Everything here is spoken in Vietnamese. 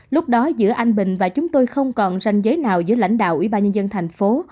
lúc đó giữa anh bình và chúng tôi không còn ranh giới nào giữa lãnh đạo ủy ban nhân dân thành phố